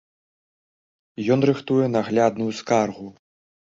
Ён рыхтуе наглядную скаргу.